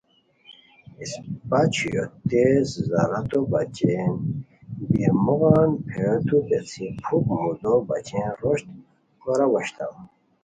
اِسپہ چھویو تیز ضرورتو بچین بیر موغان پھیرتو پیڅھی پُھک مودو بچین روشت کوراؤ اوشتام